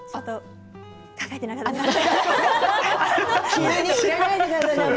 考えてなかった。